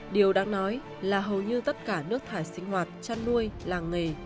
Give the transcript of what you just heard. điều đáng nói là hầu như tất cả nước thải sinh hoạt chăn nuôi làng nghề